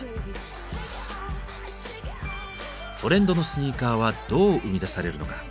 トレンドのスニーカーはどう生み出されるのか。